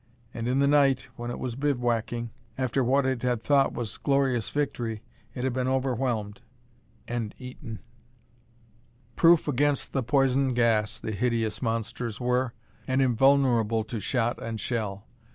And in the night, when it was bivouacking, after what it had thought was glorious victory, it had been overwhelmed and eaten! Proof against the poison gas, the hideous monsters were, and invulnerable to shot and shell.